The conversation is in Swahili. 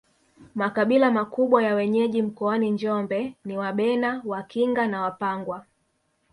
Makabila makubwa ya wenyeji mkoani Njombe ni Wabena Wakinga na Wapangwa